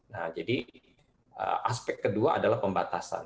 nah jadi aspek kedua adalah pembatasan